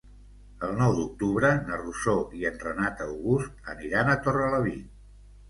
El nou d'octubre na Rosó i en Renat August aniran a Torrelavit.